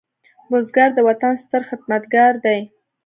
بزګر د وطن ستر خدمتګار دی